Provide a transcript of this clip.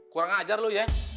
kurang ajar lo ya